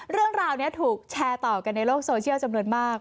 เรื่องราวนี้ถูกแชร์ต่อกันในโลกโซเชียลจำนวนมาก